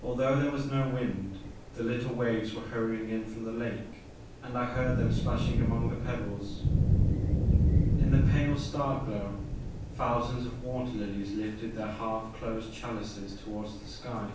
Although there was no wind the little waves were hurrying in from the lake and I heard them 68 The Maker of Moans. splashing among the pebbles. In the pale star glow thousands of water lilies lifted their half closed chalices toward the sky.